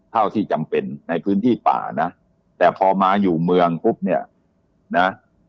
เท่าที่จำเป็นในพื้นที่ป่านะแต่พอมาอยู่เมืองปุ๊บเนี่ยนะ